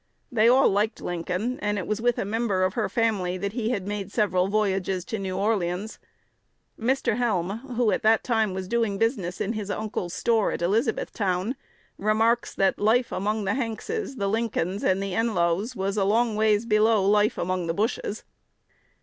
They all liked Lincoln, and it was with a member of her family that he had made several voyages to New Orleans. Mr. Helm, who at that time was doing business in his uncle's store at Elizabethtown, remarks that "life among the Hankses, the Lincolns, and the Enlows was a long ways below life among the Bushes."